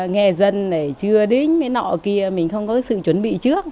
nghe dân này chưa đến với nọ kia mình không có sự chuẩn bị trước